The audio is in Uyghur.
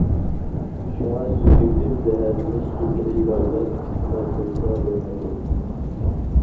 شۇڭا سۈيدۈكتىن زەھەرلىنىش كېسىلى بارلار ئىستېمال قىلسا بولمايدۇ.